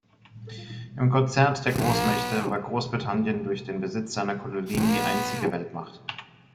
Im Konzert der Großmächte war Großbritannien durch den Besitz seiner Kolonien die einzige Weltmacht.